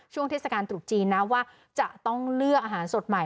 เทศกาลตรุษจีนนะว่าจะต้องเลือกอาหารสดใหม่